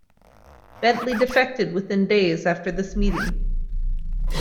Bentley defected within days after this meeting.